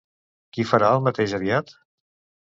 Qui farà el mateix aviat?